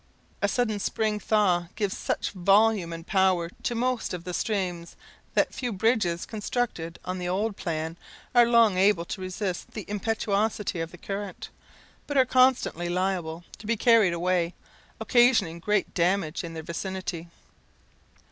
A sudden spring thaw gives such volume and power to most of the streams, that few bridges constructed on the old plan are long able to resist the impetuosity of the current, but are constantly liable to be carried away, occasioning great damage in their vicinity.